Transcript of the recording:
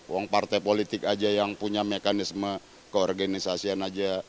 wang partai politik aja yang punya mekanisme koorganisasian aja